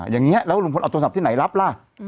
อย่างนี้แล้วลุงพลเอาโทรศัพท์ที่ไหนรับล่ะ